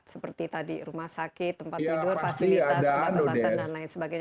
seperti tadi rumah sakit tempat tidur fasilitas obat obatan dan lain sebagainya